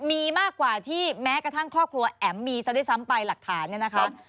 มีมากกว่าที่แม้กระทั่งครอบครัวแอ๋มมีซะด้วยซ้ำไปหลักฐานเนี่ยนะคะ